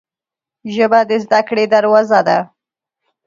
ژبه د زده کړې دروازه ده